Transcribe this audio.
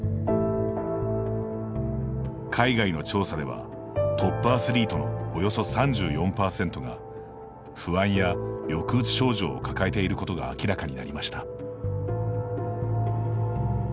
海外の調査ではトップアスリートのおよそ３４％が不安や抑うつ症状を抱えていることが明らかになりました。